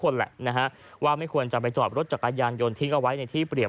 แหละนะฮะว่าไม่ควรจะไปจอดรถจักรยานยนต์ทิ้งเอาไว้ในที่เปรียบ